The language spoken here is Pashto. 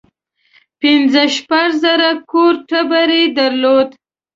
پنځه شپږ زره کور ټبر یې درلود.